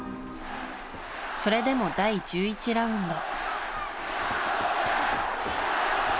それでも、第１１ラウンド。